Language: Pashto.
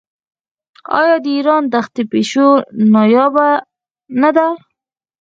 آیا د ایران دښتي پیشو نایابه نه ده؟